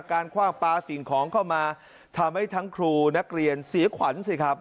คว่างปลาสิ่งของเข้ามาทำให้ทั้งครูนักเรียนเสียขวัญสิครับ